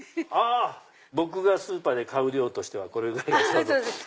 僕がスーパーで買う量としてはこれぐらいがちょうど。